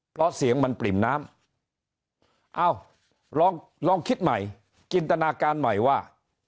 เพราะเสียงมันปริ่มน้ำเอ้าลองลองคิดใหม่จินตนาการใหม่ว่า